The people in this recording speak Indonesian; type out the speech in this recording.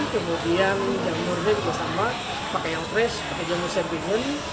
kemudian jamurnya juga sama pakai yang fresh pakai jamu sampingin